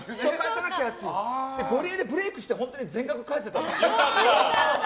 ゴリエ、ブレークして本当に全額返せたの。